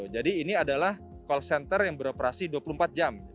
jadi ini adalah call center yang beroperasi dua puluh empat jam